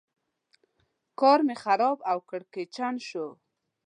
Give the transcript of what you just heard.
کار مې خراب او کړکېچن شو.